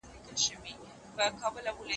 په صفت مړېده نه وه د ټوكرانو